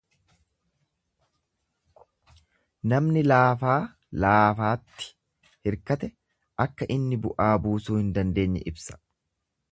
Namni laafaa laafaatti hirkate akka inni bu'aa buusuu hin dandeenye ibsa.